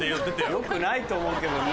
よくないと思うけど日